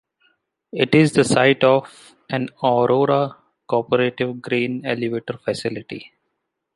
It is the site of an Aurora Cooperative grain elevator facility.